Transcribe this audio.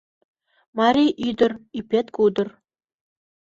Марий ӱдыр, ӱпет кудыр.